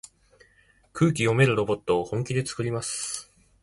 空気読めるロボットを本気でつくります。